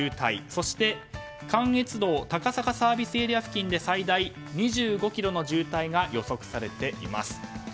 そして、関越道高坂ＳＡ付近で最大２５ｋｍの渋滞が予測されています。